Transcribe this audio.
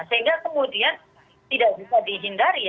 sehingga kemudian tidak bisa dihindari